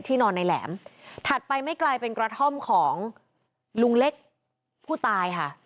นอนในแหลมถัดไปไม่กลายเป็นกระท่อมของลุงเล็กผู้ตายค่ะ